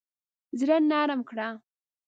زړه نرم کړه.